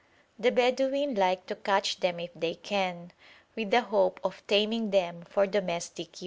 The Bedouin like to catch them if they can, with the hope of taming them for domestic use.